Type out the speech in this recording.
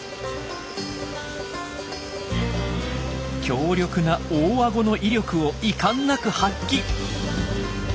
強力な大あごの威力を遺憾なく発揮！